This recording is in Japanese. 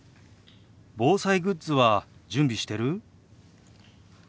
防災グッズは準備してる？